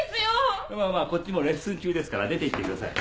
まあまあこっちもレッスン中ですから出ていってください。